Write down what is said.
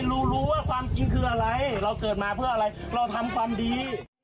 เราเกิดมาเพื่ออะไรเราทำความดี